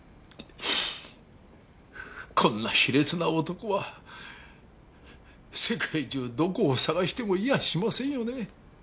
こんな卑劣な男は世界中どこを探してもいやしませんよね。